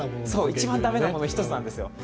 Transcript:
一番駄目なものの一つなんですよ。